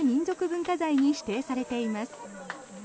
文化財に指定されています。